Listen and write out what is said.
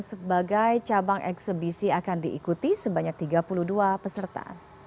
sebagai cabang eksebisi akan diikuti sebanyak tiga puluh dua peserta